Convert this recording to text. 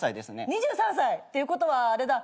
２３歳！？っていうことはあれだ。